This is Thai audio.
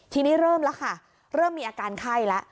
ทีนี้เริ่มแล้วค่ะเริ่มมีอาการไข้แล้ว